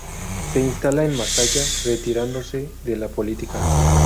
Se instala en Masaya, retirándose de la política.